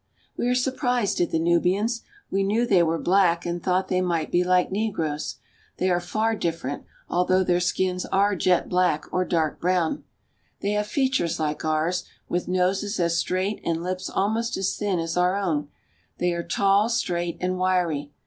We are surprised at the Nubians. We knew they were black and thought they might be like negroes. They are far different, although their skins are jet black or dark brown. They have features like ours, with noses as straight and lips almost as thin as our own. They are tall, straight, and wiry.